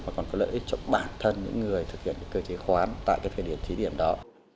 mà còn có lợi ích cho bản thân những người thực hiện cơ chế khoán tại cái thời điểm thí điểm đó